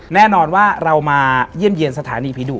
แน่นอนว่าเรามาเยี่ยมเยี่ยมสถานีผีดุ